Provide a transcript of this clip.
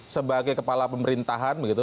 sebagai kepala pemerintahan